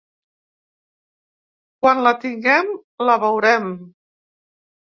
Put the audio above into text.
Quan la tinguem, la veurem